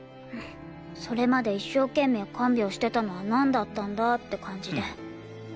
それまで一生懸命看病してたのはなんだったんだって感じで。